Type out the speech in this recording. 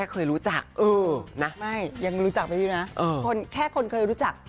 ก็รู้ไปเรื่อย